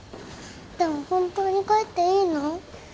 でも本当に帰っていいの？